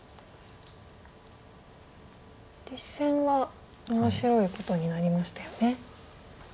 実戦は面白いことになりましたよね。